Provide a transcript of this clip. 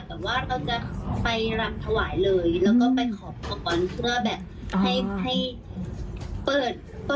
แต่ว่าเราจะไปรำถวายเลยแล้วก็ไปขอบอกก่อนเพื่อแบบให้เปิดเปิดเริ่ม